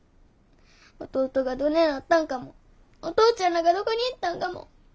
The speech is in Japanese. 弟がどねなったんかもお父ちゃんらがどこに行ったんかも。